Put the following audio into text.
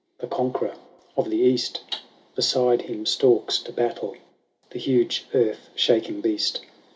The conqueror of the East. Beside him stalks to battle The huge earth shaking beast.